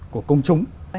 của công chúng